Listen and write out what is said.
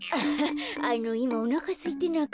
あのいまおなかすいてなくて。